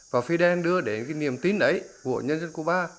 và fidel đưa đến cái niềm tin ấy của nhân dân cuba